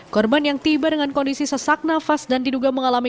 korban yang tiba dengan kondisi sesak nafas dan diduga mengalami